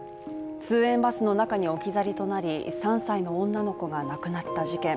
通園バスの中に置き去りとなり、３歳の女の子が亡くなった事件。